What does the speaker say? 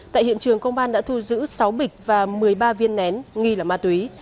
tại hiện trường công an đã thu giữ sáu bịch và một mươi ba viên nén nghi là ma túy